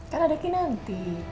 kan ada kinanti